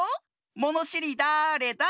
「ものしりだれだ？」